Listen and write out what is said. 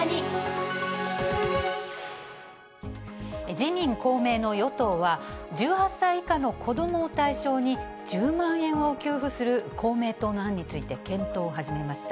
自民、公明の与党は、１８歳以下の子どもを対象に１０万円を給付する公明党の案について検討を始めました。